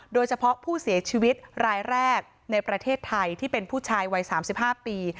โดยเฉพาะผู้เสียชีวิตรายแรกในประเทศไทยที่เป็นผู้ชายวัย๓๕ปี